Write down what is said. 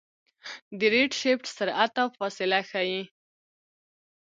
د ریډشفټ سرعت او فاصله ښيي.